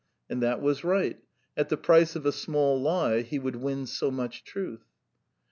And that was right: at the price of a small lie he would win so much truth.